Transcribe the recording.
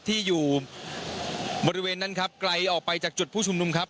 ที่อยู่บริเวณนั้นครับไกลออกไปจากจุดผู้ชุมนุมครับ